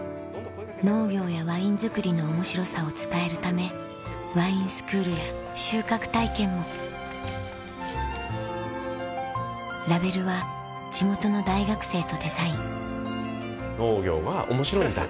農業やワイン造りの面白さを伝えるためワインスクールや収穫体験もラベルは地元の大学生とデザイン農業は面白いんだ